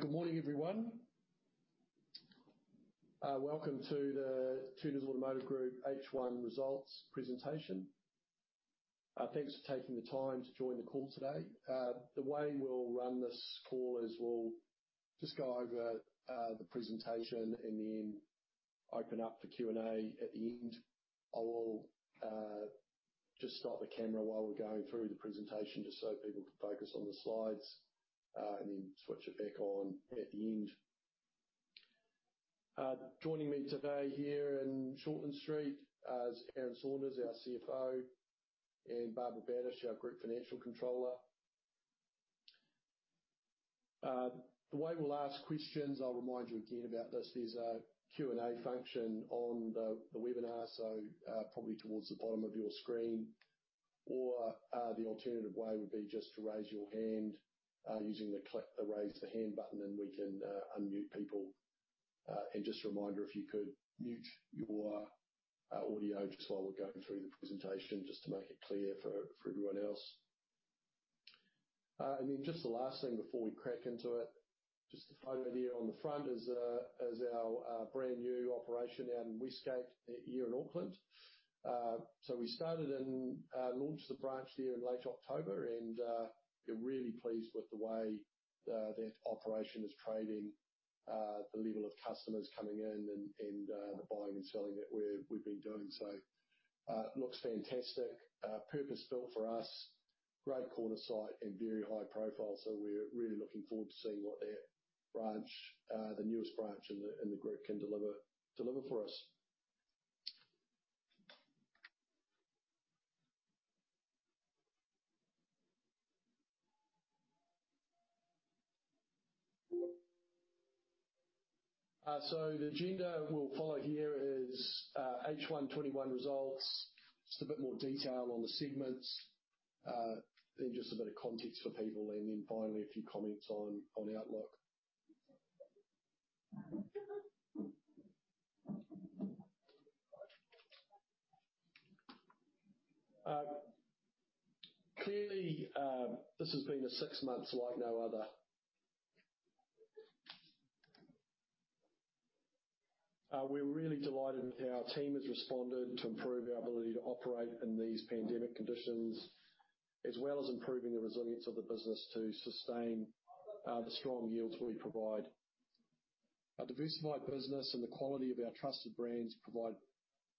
Good morning, everyone. Welcome to the Turners Automotive Group H1 results presentation. Thanks for taking the time to join the call today. The way we'll run this call is we'll just go over the presentation and then open up for Q&A at the end. I will just stop the camera while we're going through the presentation just so people can focus on the slides, and then switch it back on at the end. Joining me today here in Shortland Street is Aaron Saunders, our CFO, and Barbara Badish, our Group Financial Controller. The way we'll ask questions, I'll remind you again about this, there's a Q&A function on the webinar, so probably towards the bottom of your screen. The alternative way would be just to raise your hand, using the Raise the Hand button, and we can unmute people. Just a reminder, if you could mute your audio just while we're going through the presentation, just to make it clear for everyone else. Just the last thing before we crack into it, just the photo there on the front is our brand-new operation out in Westgate here in Auckland. We started and launched the branch there in late October and we're really pleased with the way that operation is trading, the level of customers coming in and the buying and selling that we've been doing. Looks fantastic. Purpose-built for us, great corner site and very high profile. We're really looking forward to seeing what the newest branch in the group can deliver for us. The agenda we'll follow here is H1 21 results, just a bit more detail on the segments, then just a bit of context for people and then finally a few comments on outlook. Clearly, this has been a six months like no other. We're really delighted with how our team has responded to improve our ability to operate in these pandemic conditions, as well as improving the resilience of the business to sustain the strong yields we provide. Our diversified business and the quality of our trusted brands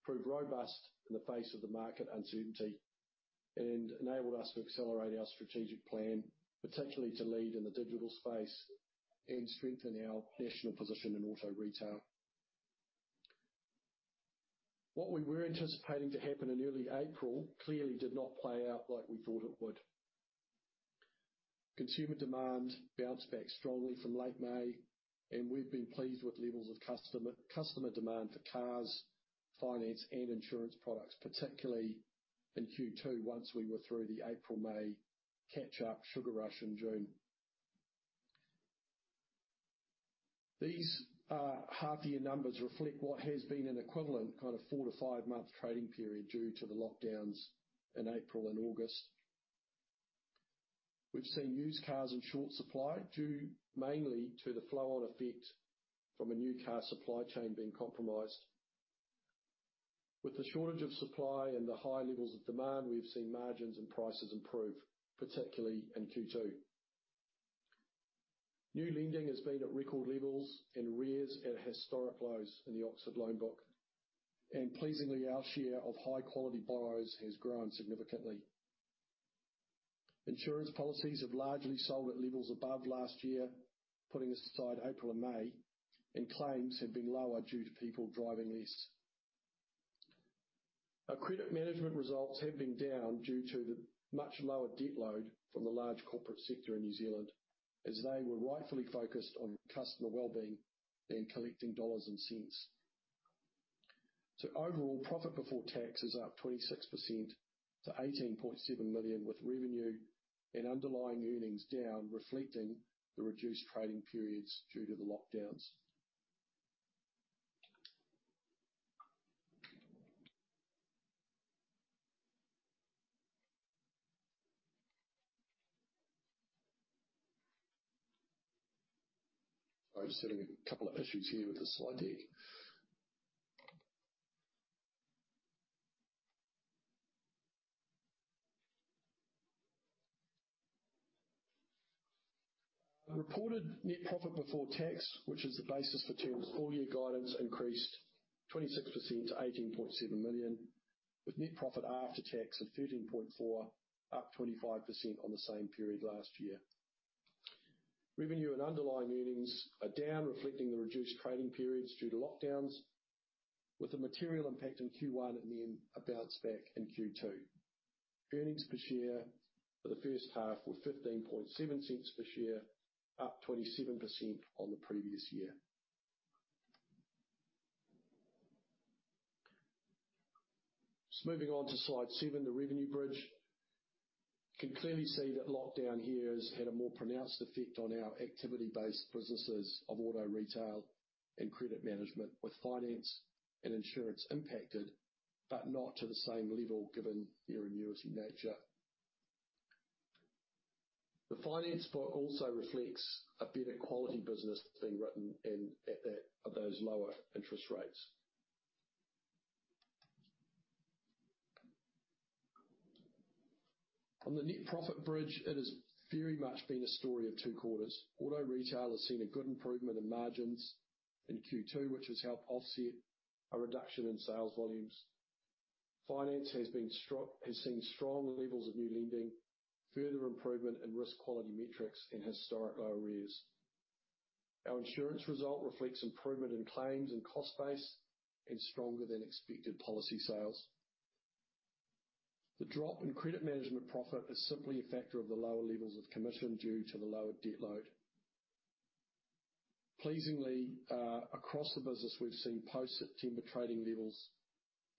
proved robust in the face of the market uncertainty and enabled us to accelerate our strategic plan, particularly to lead in the digital space and strengthen our national position in auto retail. What we were anticipating to happen in early April clearly did not play out like we thought it would. Consumer demand bounced back strongly from late May, and we've been pleased with levels of customer demand for cars, finance, and insurance products, particularly in Q2 once we were through the April, May catch-up sugar rush in June. These half-year numbers reflect what has been an equivalent four to five month trading period due to the lockdowns in April and August. We've seen used cars in short supply, due mainly to the flow-on effect from a new car supply chain being compromised. With the shortage of supply and the high levels of demand, we've seen margins and prices improve, particularly in Q2. New lending has been at record levels and arrears at historic lows in the Oxford loan book. Pleasingly, our share of high-quality borrowers has grown significantly. Insurance policies have largely sold at levels above last year, putting aside April and May, and claims have been lower due to people driving less. Our credit management results have been down due to the much lower debt load from the large corporate sector in New Zealand, as they were rightfully focused on customer wellbeing than collecting dollars and cents. Overall, profit before tax is up 26% to 18.7 million, with revenue and underlying earnings down, reflecting the reduced trading periods due to the lockdowns. I'm just having a couple of issues here with the slide deck. Reported net profit before tax, which is the basis for Turners' full-year guidance, increased 26% to 18.7 million, with net profit after tax at 13.4, up 25% on the same period last year. Revenue and underlying earnings are down, reflecting the reduced trading periods due to lockdowns, with a material impact in Q1 and then a bounce back in Q2. Earnings per share for the first half were 0.157 per share, up 27% on the previous year. Moving on to slide seven, the revenue bridge. You can clearly see that lockdown here has had a more pronounced effect on our activity-based businesses of auto retail and credit management, with finance and insurance impacted, but not to the same level given their annuity nature. The finance book also reflects a better quality business being written at those lower interest rates. On the net profit bridge, it has very much been a story of two quarters. Auto retail has seen a good improvement in margins in Q2, which has helped offset a reduction in sales volumes. Finance has seen strong levels of new lending, further improvement in risk quality metrics, and historic low arrears. Our insurance result reflects improvement in claims and cost base and stronger than expected policy sales. The drop in credit management profit is simply a factor of the lower levels of commission due to the lower debt load. Pleasingly, across the business, we've seen post-September trading levels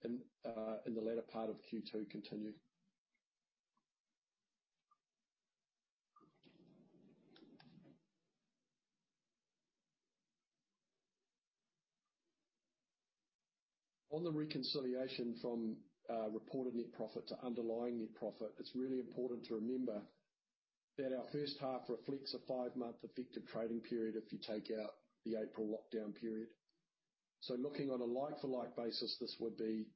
in the latter part of Q2 continue. On the reconciliation from reported net profit to underlying net profit, it's really important to remember that our first half reflects a five-month effective trading period if you take out the April lockdown period. Looking on a like-for-like basis, this would be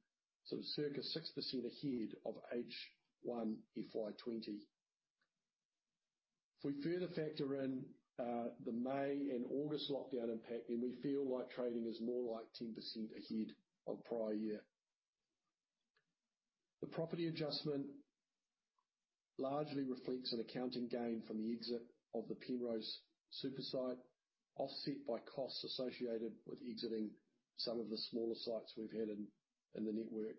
circa 6% ahead of H1 FY 2020. If we further factor in the May and August lockdown impact, then we feel like trading is more like 10% ahead of prior year. The property adjustment largely reflects an accounting gain from the exit of the Penrose Super site, offset by costs associated with exiting some of the smaller sites we've had in the network,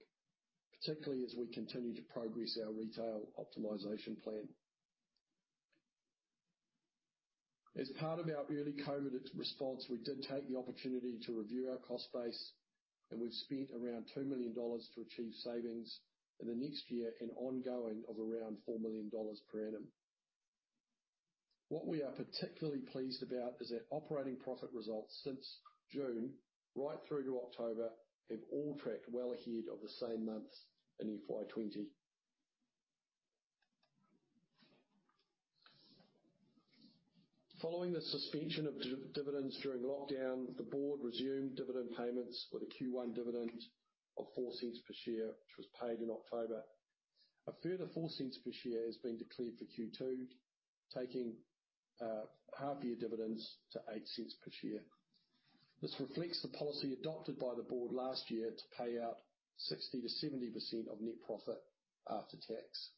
particularly as we continue to progress our retail optimization plan. As part of our early COVID response, we did take the opportunity to review our cost base, and we've spent around 2 million dollars to achieve savings in the next year and ongoing of around 4 million dollars per annum. What we are particularly pleased about is that operating profit results since June right through to October have all tracked well ahead of the same months in FY 2020. Following the suspension of dividends during lockdown, the board resumed dividend payments with a Q1 dividend of 0.04 per share, which was paid in October. A further 0.04 per share has been declared for Q2, taking half year dividends to 0.08 per share. This reflects the policy adopted by the board last year to pay out 60%-70% of net profit after tax.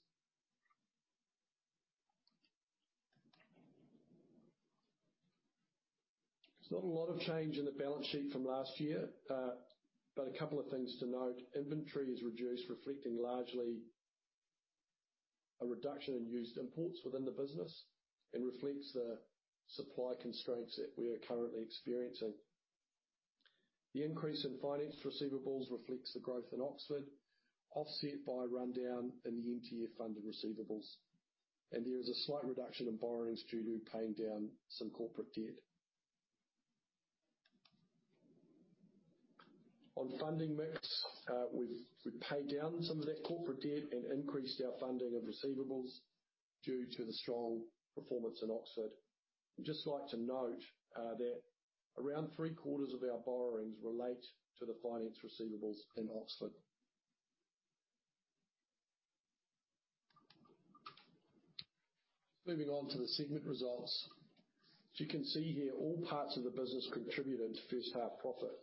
There's not a lot of change in the balance sheet from last year. A couple of things to note. Inventory is reduced, reflecting largely a reduction in used imports within the business and reflects the supply constraints that we are currently experiencing. The increase in finance receivables reflects the growth in Oxford, offset by a rundown in the MTF funded receivables. There is a slight reduction in borrowings due to paying down some corporate debt. On funding mix, we've paid down some of that corporate debt and increased our funding of receivables due to the strong performance in Oxford. We'd just like to note that around three-quarters of our borrowings relate to the finance receivables in Oxford. Moving on to the segment results. As you can see here, all parts of the business contributed to first half profit.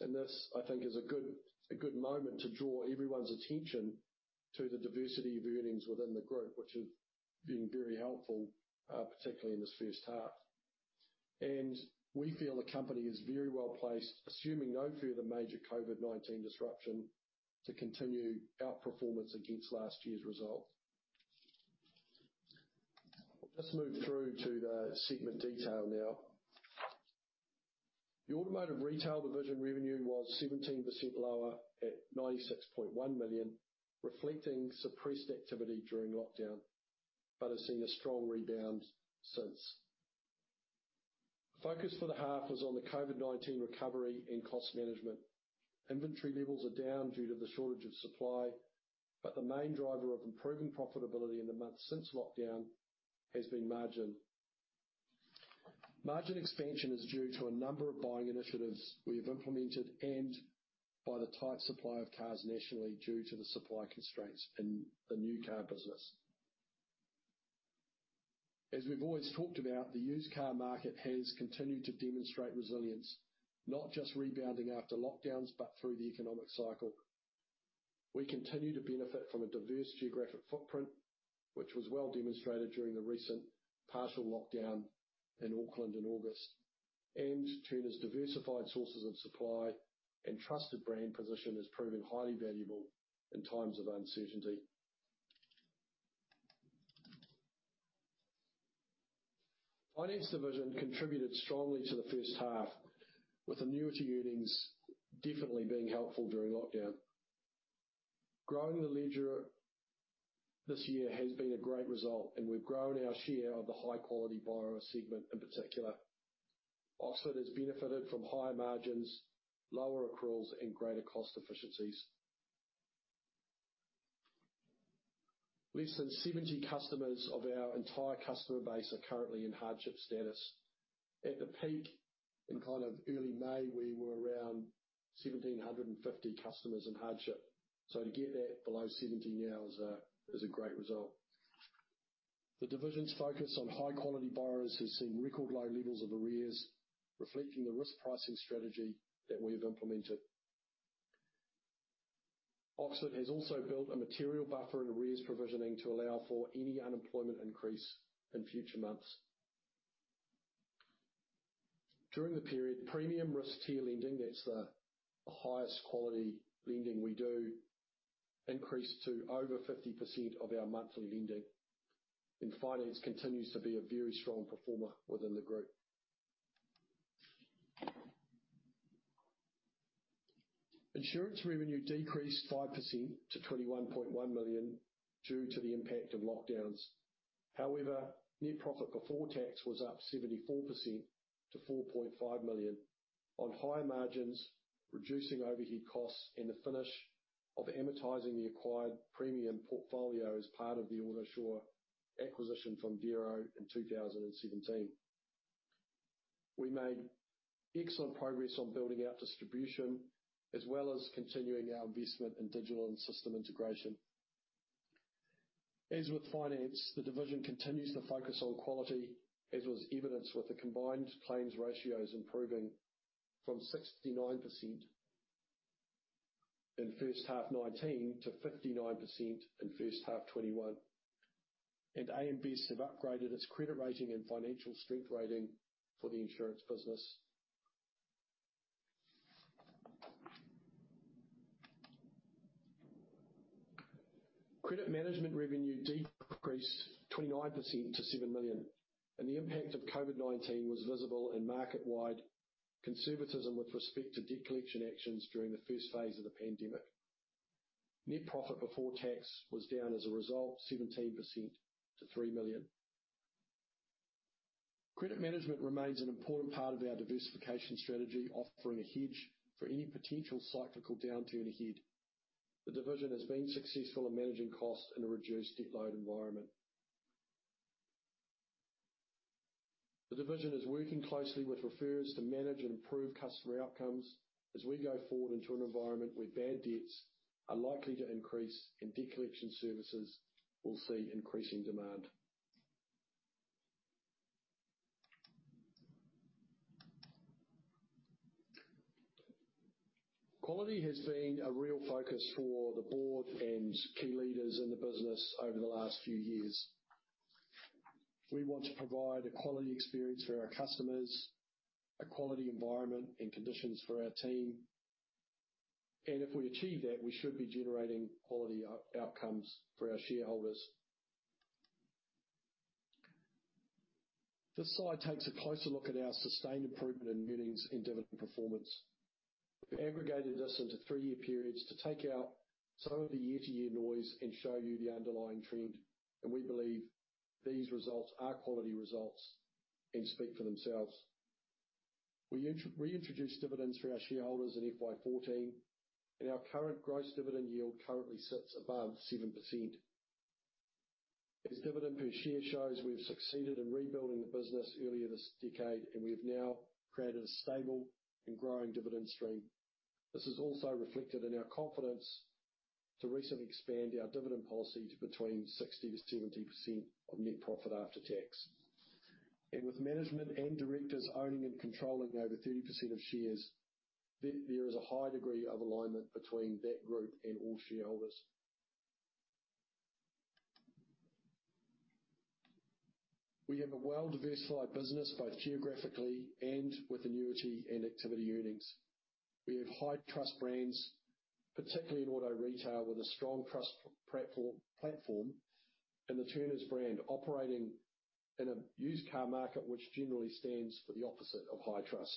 This, I think, is a good moment to draw everyone's attention to the diversity of earnings within the group, which has been very helpful, particularly in this first half. We feel the company is very well-placed, assuming no further major COVID-19 disruption, to continue outperformance against last year's result. We'll just move through to the segment detail now. The Automotive Retail division revenue was 17% lower at 96.1 million, reflecting suppressed activity during lockdown, but has seen a strong rebound since. Focus for the half was on the COVID-19 recovery and cost management. Inventory levels are down due to the shortage of supply, but the main driver of improving profitability in the months since lockdown has been margin. Margin expansion is due to a number of buying initiatives we have implemented and by the tight supply of cars nationally due to the supply constraints in the new car business. As we've always talked about, the used car market has continued to demonstrate resilience, not just rebounding after lockdowns, but through the economic cycle. We continue to benefit from a diverse geographic footprint, which was well demonstrated during the recent partial lockdown in Auckland in August. Turners' diversified sources of supply and trusted brand position has proven highly valuable in times of uncertainty. Finance division contributed strongly to the first half, with annuity earnings definitely being helpful during lockdown. Growing the ledger this year has been a great result, and we've grown our share of the high-quality borrower segment in particular. Oxford has benefited from higher margins, lower accruals, and greater cost efficiencies. Less than 70 customers of our entire customer base are currently in hardship status. At the peak in early May, we were around 1,750 customers in hardship. To get that below 70 now is a great result. The division's focus on high-quality borrowers has seen record low levels of arrears, reflecting the risk pricing strategy that we have implemented. Oxford has also built a material buffer in arrears provisioning to allow for any unemployment increase in future months. During the period, premium risk tier lending, that's the highest quality lending we do, increased to over 50% of our monthly lending, and finance continues to be a very strong performer within the group. Insurance revenue decreased 5% to 21.1 million due to the impact of lockdowns. However, net profit before tax was up 74% to 4.5 million on higher margins, reducing overhead costs, and the finish of amortizing the acquired premium portfolio as part of the Autosure acquisition from Vero in 2017. We made excellent progress on building out distribution, as well as continuing our investment in digital and system integration. As with finance, the division continues to focus on quality, as was evidenced with the combined claims ratios improving from 69% in first half 2019 to 59% in first half 2021. AM Best have upgraded its credit rating and financial strength rating for the insurance business. Credit management revenue decreased 29% to 7 million, and the impact of COVID-19 was visible in market-wide conservatism with respect to debt collection actions during the first phase of the pandemic. Net profit before tax was down as a result, 17% to 3 million. Credit management remains an important part of our diversification strategy, offering a hedge for any potential cyclical downturn ahead. The division has been successful in managing costs in a reduced debt load environment. The division is working closely with referrers to manage and improve customer outcomes as we go forward into an environment where bad debts are likely to increase and debt collection services will see increasing demand. Quality has been a real focus for the board and key leaders in the business over the last few years. We want to provide a quality experience for our customers, a quality environment and conditions for our team, and if we achieve that, we should be generating quality outcomes for our shareholders. This slide takes a closer look at our sustained improvement in earnings and dividend performance. We've aggregated this into three-year periods to take out some of the year-to-year noise and show you the underlying trend. We believe these results are quality results and speak for themselves. We introduced dividends for our shareholders in FY 2014. Our current gross dividend yield currently sits above 7%. As dividend per share shows, we've succeeded in rebuilding the business earlier this decade. We've now created a stable and growing dividend stream. This is also reflected in our confidence to recently expand our dividend policy to between 60%-70% of net profit after tax. With management and directors owning and controlling over 30% of shares, there is a high degree of alignment between that group and all shareholders. We have a well-diversified business, both geographically and with annuity and activity earnings. We have high trust brands, particularly in auto retail, with a strong trust platform, and the Turners brand operating in a used car market, which generally stands for the opposite of high trust.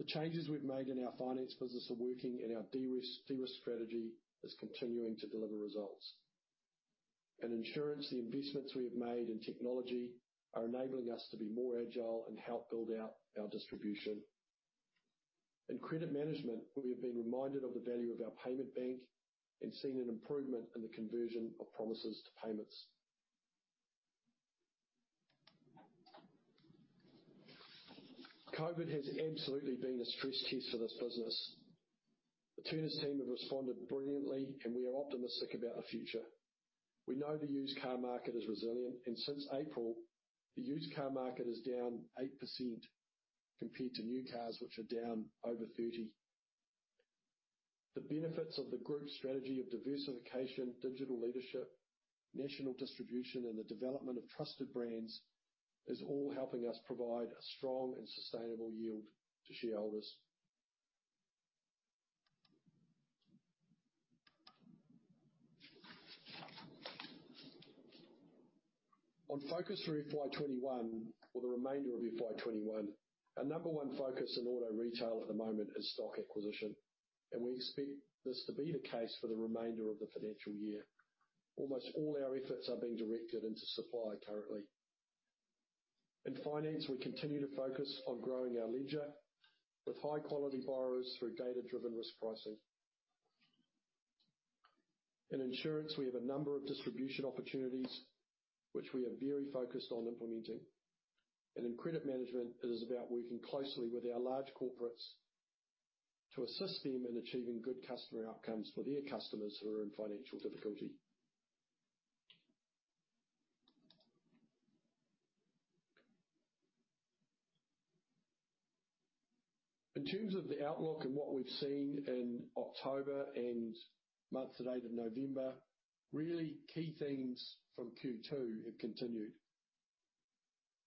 The changes we've made in our finance business are working, and our de-risk strategy is continuing to deliver results. In insurance, the investments we have made in technology are enabling us to be more agile and help build out our distribution. In credit management, we have been reminded of the value of our payment bank and seen an improvement in the conversion of promises to payments. COVID has absolutely been a stress test for this business. The Turners team have responded brilliantly, and we are optimistic about the future. We know the used car market is resilient, and since April, the used car market is down 8% compared to new cars, which are down over 30%. The benefits of the group's strategy of diversification, digital leadership, national distribution, and the development of trusted brands is all helping us provide a strong and sustainable yield to shareholders. On focus for FY21 or the remainder of FY21, our number one focus in auto retail at the moment is stock acquisition, and we expect this to be the case for the remainder of the financial year. Almost all our efforts are being directed into supply currently. In finance, we continue to focus on growing our ledger with high-quality borrowers through data-driven risk pricing. In insurance, we have a number of distribution opportunities, which we are very focused on implementing. In credit management, it is about working closely with our large corporates to assist them in achieving good customer outcomes for their customers who are in financial difficulty. In terms of the outlook and what we've seen in October and month-to-date of November, really key themes from Q2 have continued.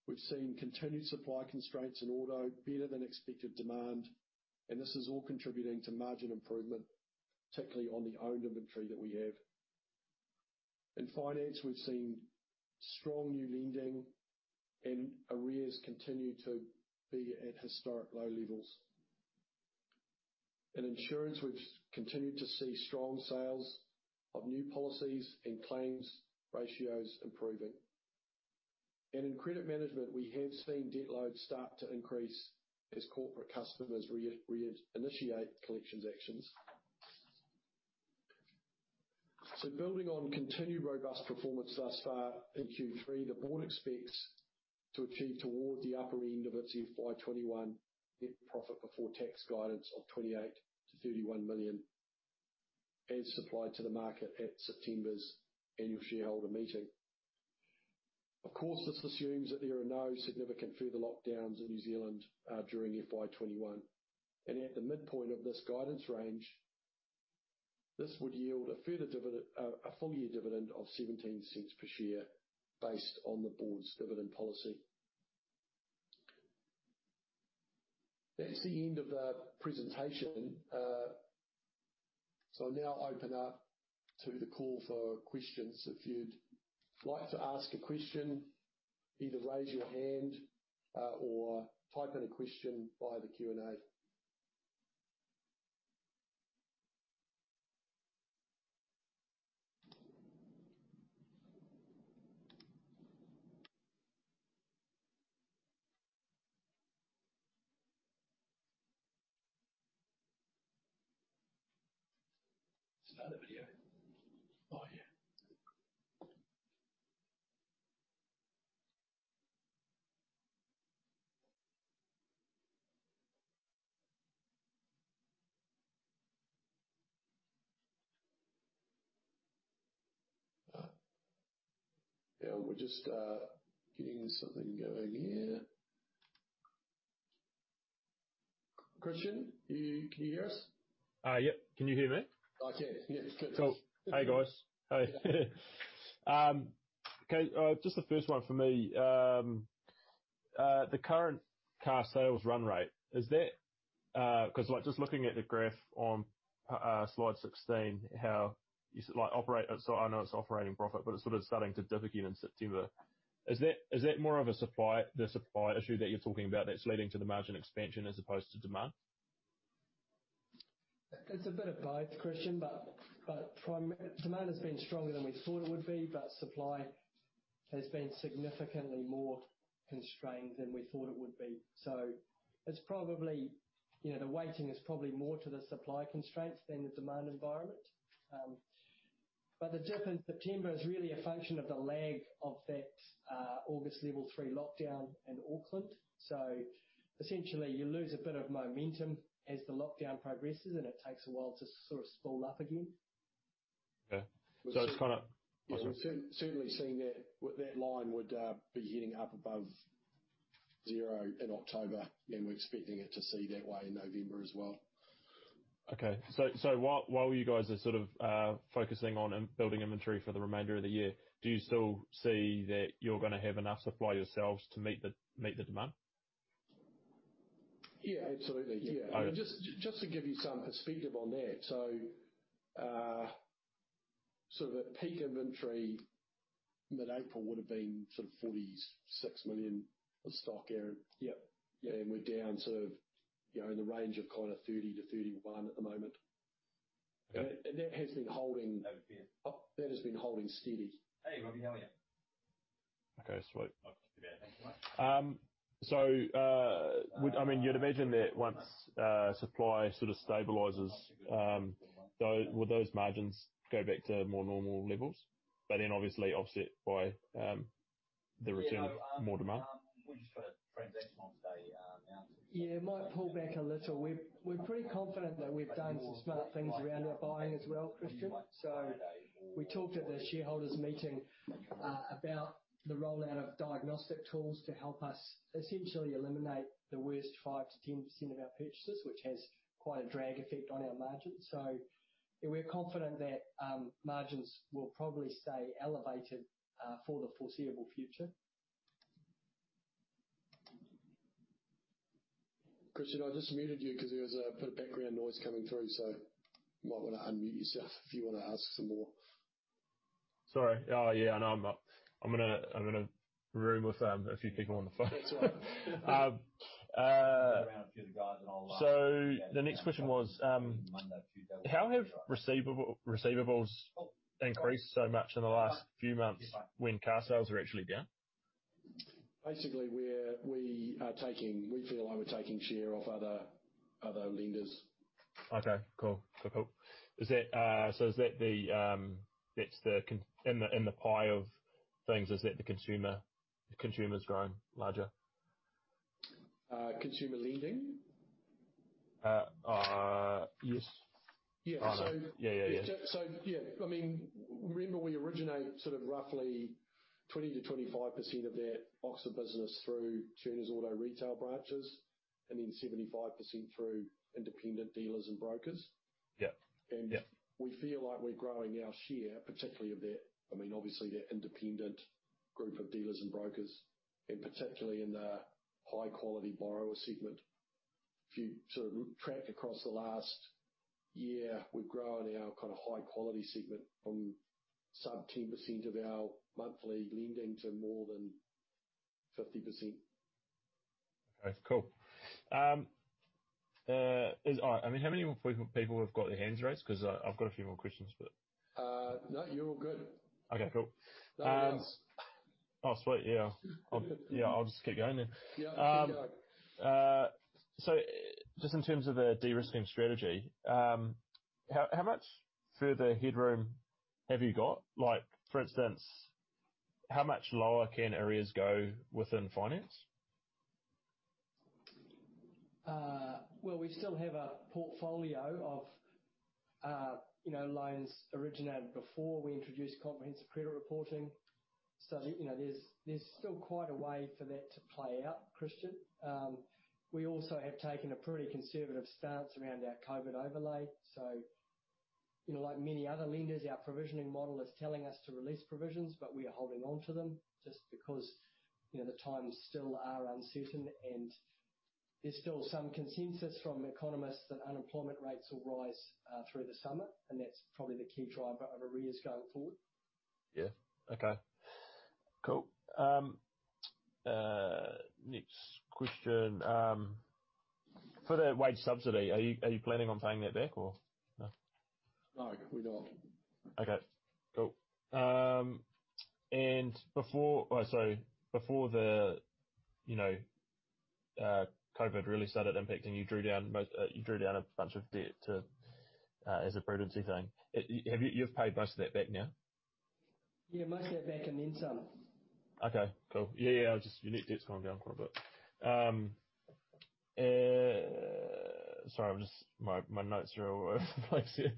We've seen continued supply constraints in auto, better-than-expected demand, and this is all contributing to margin improvement, particularly on the owned inventory that we have. In finance, we've seen strong new lending, and arrears continue to be at historic low levels. In insurance, we've continued to see strong sales of new policies and claims ratios improving. In credit management, we have seen debt load start to increase as corporate customers reinitiate collections actions. Building on continued robust performance thus far in Q3, the board expects to achieve toward the upper end of its FY 2021 net profit before tax guidance of 28 million to 31 million, as supplied to the market at September's annual shareholder meeting. Of course, this assumes that there are no significant further lockdowns in New Zealand during FY21. At the midpoint of this guidance range, this would yield a full-year dividend of 0.17 per share based on the board's dividend policy. That's the end of the presentation. Now I'll open up to the call for questions. If you'd like to ask a question, either raise your hand or type in a question via the Q&A. Start the video. Oh, yeah. We're just getting something going here. Christian, can you hear us? Yep. Can you hear me? I can. Yeah. Cool. Hey, guys. Hey. Just the first one for me. The current car sales run rate, because just looking at the graph on slide 16, I know it's operating profit, but it's sort of starting to dip again in September. Is that more of the supply issue that you're talking about that's leading to the margin expansion as opposed to demand? It's a bit of both, Christian, demand has been stronger than we thought it would be, supply has been significantly more constrained than we thought it would be. The weighting is probably more to the supply constraints than the demand environment. The dip in September is really a function of the lag of that August level three lockdown in Auckland. Essentially, you lose a bit of momentum as the lockdown progresses, and it takes a while to sort of spool up again. Okay. We're certainly seeing that line would be heading up above zero in October, and we're expecting it to stay that way in November as well. Okay. While you guys are focusing on building inventory for the remainder of the year, do you still see that you're going to have enough supply yourselves to meet the demand? Yeah, absolutely. Okay. Just to give you some speedup on that. The peak inventory mid-April would've been sort of 46 million of stock, Aaron. Yep. Yeah. We're down in the range of 30-31 at the moment. Okay. That has been holding steady. [inaudible] Okay, sweet. You'd imagine that once supply sort of stabilizes, will those margins go back to more normal levels? Obviously offset by the return of more demand. Yeah, it might pull back a little. We're pretty confident that we've done some smart things around our buying as well, Christian. We talked at the shareholders' meeting about the rollout of diagnostic tools to help us essentially eliminate the worst 5%-10% of our purchases, which has quite a drag effect on our margins. Yeah, we're confident that margins will probably stay elevated for the foreseeable future. Christian, I just muted you because there was a bit of background noise coming through, so you might want to unmute yourself if you want to ask some more. Sorry. Yeah, I know. I'm going to Zoom with a few people on the phone. The next question was, how have receivables increased so much in the last few months when car sales are actually down? Basically, we feel like we're taking share off other lenders. Okay, cool. In the pie of things, is it the consumer is growing larger? Consumer lending? Yes. Yeah. Yeah. Yeah. Remember we originate sort of roughly 20%-25% of that Oxford business through Turners Auto retail branches, and then 75% through independent dealers and brokers. Yeah. We feel like we're growing our share, particularly of that, obviously, that independent group of dealers and brokers, and particularly in the high-quality borrower segment. If you track across the last year, we've grown our high-quality segment from sub 10% of our monthly lending to more than 50%. Okay, cool. How many more people have got their hands raised? I've got a few more questions for you. No, you're all good. Okay, cool. No hands. Oh, sweet. Yeah. I'll just keep going then. Yeah. Keep going. Just in terms of the de-risking strategy, how much further headroom have you got? For instance, how much lower can arrears go within finance? Well, we still have a portfolio of loans originated before we introduced comprehensive credit reporting. There's still quite a way for that to play out, Christian. We also have taken a pretty conservative stance around our COVID overlay. Like many other lenders, our provisioning model is telling us to release provisions, but we are holding onto them just because the times still are uncertain and there's still some consensus from economists that unemployment rates will rise through the summer, and that's probably the key driver of arrears going forward. Yeah. Okay. Cool. Next question. For the wage subsidy, are you planning on paying that back or no? No, we don't. Okay, cool. Before the COVID really started impacting, you drew down a bunch of debt as a prudency thing. You've paid most of that back now? Yeah, most of that back and then some. Okay, cool. Yeah. Just net debt's gone down quite a bit. Sorry, my notes are all over the place here.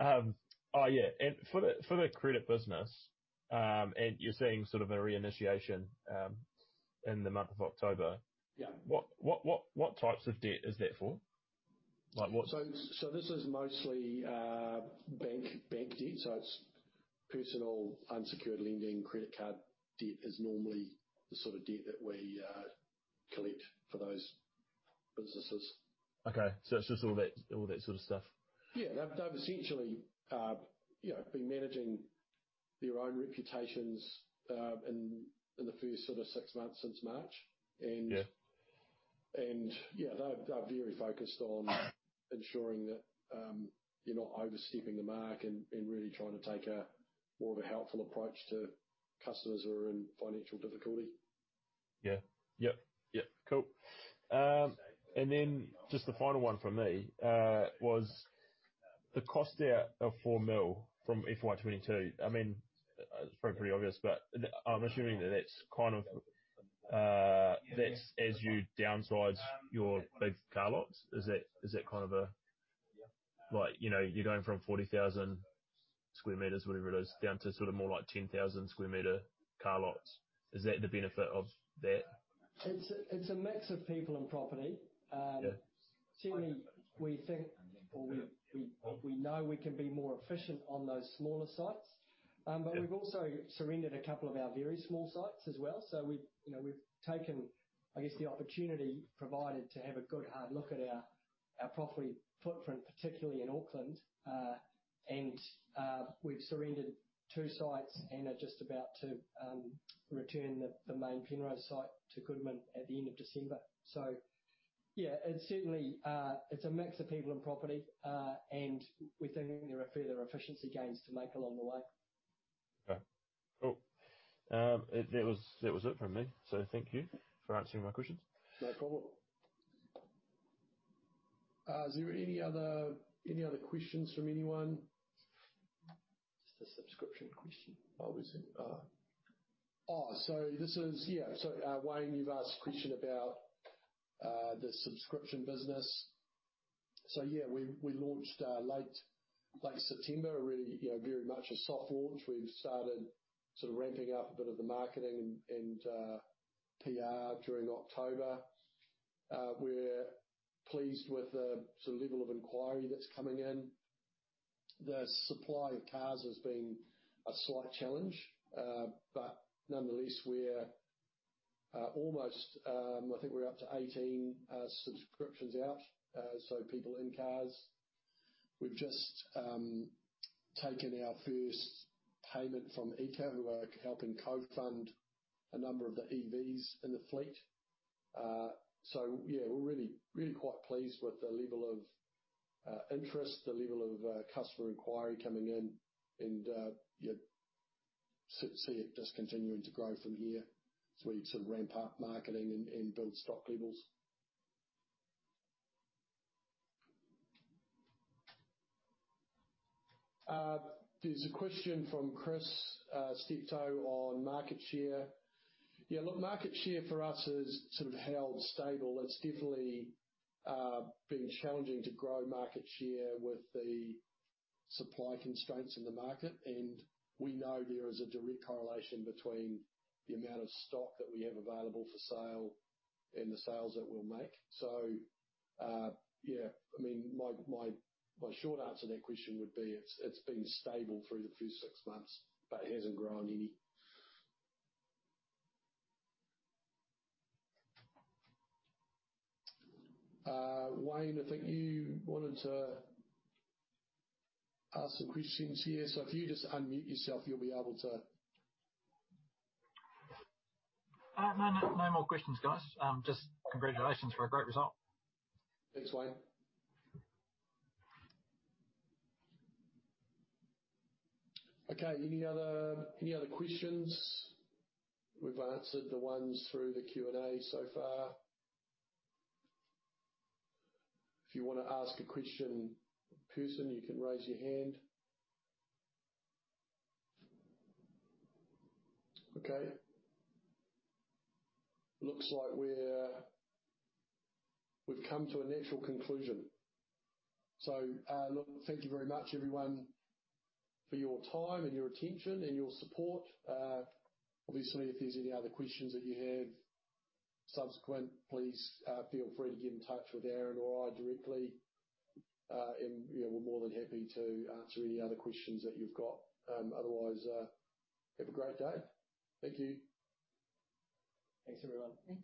Oh, yeah. For the credit business, you're seeing sort of a reinitiation in the month of October. Yeah. What types of debt is that for? This is mostly bank debt. It's personal unsecured lending. Credit card debt is normally the sort of debt that we collect for those businesses. Okay. It's just all that sort of stuff. Yeah. They've essentially been managing their own reputations in the first six months since March. Yeah. Yeah, they're very focused on ensuring that you're not overstepping the mark and really trying to take a more of a helpful approach to customers who are in financial difficulty. Yeah. Cool. Then just the final one from me, was the cost out of four mil from FY 2022, it's probably pretty obvious, but I'm assuming that's as you downsize your big car lots. You're going from 40,000 sq m, whatever it is, down to more like 10,000 sq m car lots. Is that the benefit of that? It's a mix of people and property. Yeah. Certainly, we think or we know we can be more efficient on those smaller sites. Yeah. We've also surrendered a couple of our very small sites as well. We've taken, I guess, the opportunity provided to have a good hard look at our property footprint, particularly in Auckland. We've surrendered two sites and are just about to return the main Penrose site to Goodman at the end of December. yeah, it's a mix of people and property. We think there are further efficiency gains to make along the way. Okay, cool. That was it from me. Thank you for answering my questions. No problem. Is there any other questions from anyone? Just a subscription question. Wayne, you've asked a question about the subscription business. We launched late September, really very much a soft launch. We've started sort of ramping up a bit of the marketing and PR during October. We're pleased with the sort of level of inquiry that's coming in. The supply of cars has been a slight challenge. Nonetheless, I think we're up to 18 subscriptions out. People in cars. We've just taken our first payment from EECA, who are helping co-fund a number of the EVs in the fleet. We're really quite pleased with the level of interest, the level of customer inquiry coming in and see it just continuing to grow from here as we ramp up marketing and build stock levels. There's a question from Chris Steptoe on market share. Market share for us has held stable. It's definitely been challenging to grow market share with the supply constraints in the market, and we know there is a direct correlation between the amount of stock that we have available for sale and the sales that we'll make. Yeah. My short answer to that question would be, it's been stable through the first six months, but it hasn't grown any. Wayne, I think you wanted to ask some questions here. If you just unmute yourself, you'll be able to. No more questions, guys. Just congratulations for a great result. Thanks, Wayne. Okay. Any other questions? We've answered the ones through the Q&A so far. If you want to ask a question in person, you can raise your hand. Okay. Looks like we've come to a natural conclusion. Look, thank you very much, everyone, for your time and your attention and your support. Obviously, if there's any other questions that you have subsequent, please feel free to get in touch with Aaron or I directly. We're more than happy to answer any other questions that you've got. Otherwise, have a great day. Thank you. Thanks, everyone.